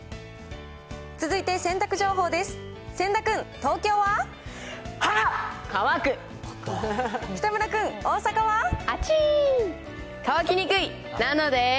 続いて洗濯情報です。